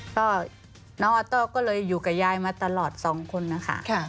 ก็น้องออโต้ก็เลยอยู่กับยายมาตลอด๒คนนะคะ